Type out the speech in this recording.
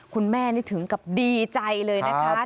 คุณแม่นี่ถึงกับดีใจเลยนะคะ